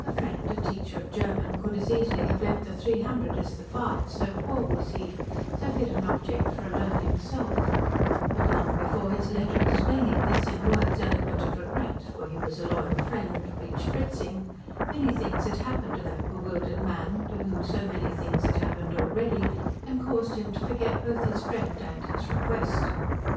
The friend, a teacher of German, could as easily have lent the three hundred as the five, so poor was he, so fit an object for a loan himself; but long before his letter explaining this in words eloquent of regret (for he was a loyal friend) reached Fritzing, many things had happened to that bewildered man to whom so many things had happened already, and caused him to forget both his friend and his request.